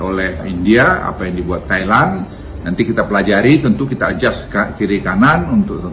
oleh india apa yang dibuat thailand nanti kita pelajari tentu kita ajak kiri kanan untuk